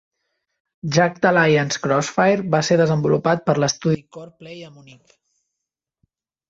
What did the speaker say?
"Jagged Alliance: Crossfire" va ser desenvolupat per l'estudi Coreplay a Munic.